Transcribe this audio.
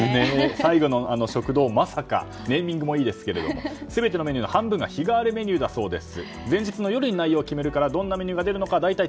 最後の食堂まさかネーミングもいいですけど全てのメニューの半分が日替わりメニューだそうです。